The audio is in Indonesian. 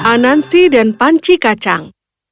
anansi dan panci kacang